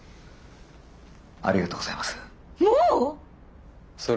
ありがとうございます。